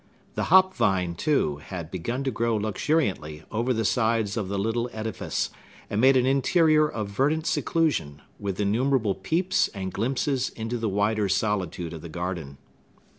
The hop vine, too, had begun to grow luxuriantly over the sides of the little edifice, and made an interior of verdant seclusion, with innumerable peeps and glimpses into the wider solitude of the garden.